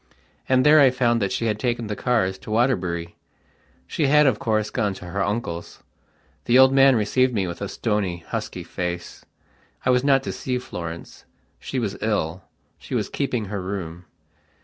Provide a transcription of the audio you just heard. And there I found that she had taken the cars to Waterbury. She had, of course, gone to her uncle's. The old man received me with a stony, husky face. I was not to see Florence; she was ill; she was keeping her room.